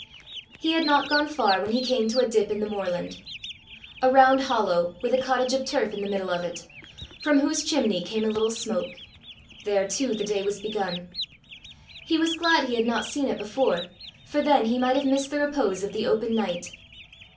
He had not gone far when he came to a dip in the moorland a round hollow, with a cottage of turf in the middle of it, from whose chimney came a little smoke: there too the day was begun! He was glad he had not seen it before, for then he might have missed the repose of the open night.